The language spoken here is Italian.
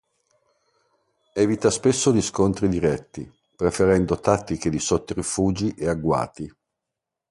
Evita spesso gli scontri diretti, preferendo tattiche di sotterfugi e agguati.